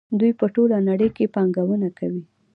دوی په ټوله نړۍ کې پانګونه کوي.